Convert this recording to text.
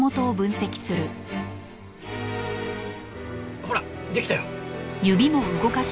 ほらできたよ。